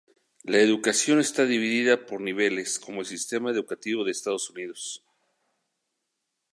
La educación está dividida por niveles, como el sistema educativo de Estados Unidos.